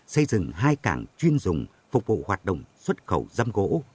xây dựng hai cảng chuyên dùng phục vụ hoạt động xuất khẩu răm gỗ